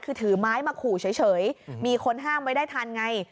คือถือไม้มาขู่เฉยมีคนห้ามไว้ได้ทันไง